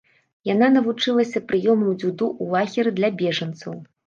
Яна навучылася прыёмам дзюдо ў лагеры для бежанцаў.